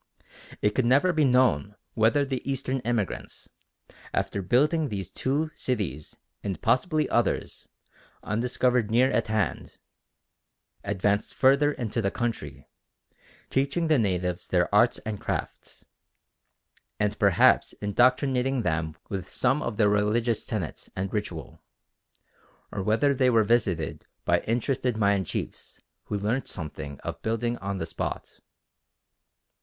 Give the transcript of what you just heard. It can never be known whether the Eastern immigrants, after building these two cities and possibly others undiscovered near at hand, advanced further into the country, teaching the natives their arts and crafts, and perhaps indoctrinating them with some of their religious tenets and ritual; or whether they were visited by interested Mayan chiefs who learnt something of building on the spot.